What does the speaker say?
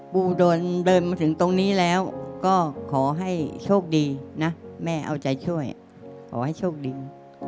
ปูเดินมาถึงตรงนี้แล้วก็ขอให้โชคดีนะแม่เอาใจช่วยขอให้โชคดี